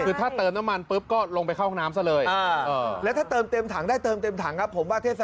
คือถ้าเติมน้ำมันปุ๊บก็ลงไปเข้าห้องน้ำซะเลย